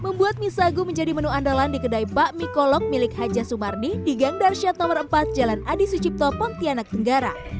misago menjadi menu andalan di kedai bakmi kolok milik haja sumarni di gang darsya no empat jalan adi sucipto pontianak tenggara